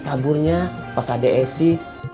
taburnya pas ada esi